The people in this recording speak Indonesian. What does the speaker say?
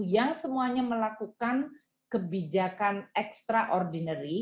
yang semuanya melakukan kebijakan extraordinary